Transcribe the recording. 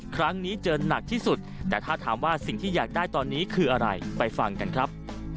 ครั้งนี้เจอหนักที่สุดแต่ถ้าถามว่าสิ่งที่อยากได้ตอนนี้คืออะไรไปฟังกันครับ